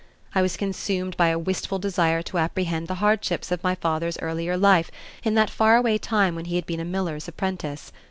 I was consumed by a wistful desire to apprehend the hardships of my father's earlier life in that faraway time when he had been a miller's apprentice.